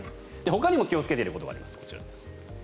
ほかにも気をつけていることがあります。